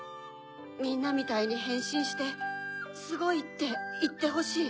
みんなみたいにへんしんして「すごい」っていってほしい。